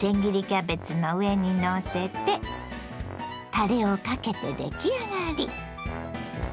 キャベツの上にのせてたれをかけて出来上がり。